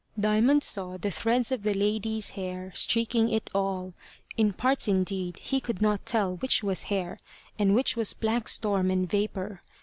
Diamond saw the threads of the lady's hair streaking it all. In parts indeed he could not tell which was hair and which was black storm and vapour.